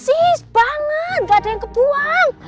ini kalau aa